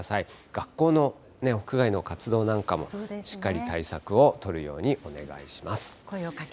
学校の屋外の活動なんかもしっかり対策を取るようにお願いします。